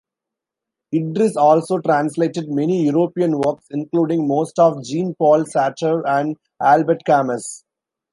Idriss also translated many European works, including most of Jean-Paul Sartre and Albert Camus.